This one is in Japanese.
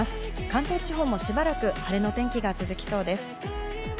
関東地方も、しばらく晴れの天気が続きそうです。